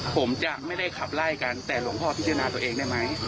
ผมจะไม่ได้ขับไล่กันแต่หลวงพ่อพิจารณาตัวเองได้ไหม